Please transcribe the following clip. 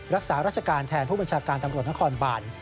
รักษาราชการแทนผู้บัญชาการตำรวจนครบาน